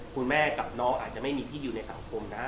คุณแม่กับน้องอาจจะไม่มีที่อยู่ในสังคมนะ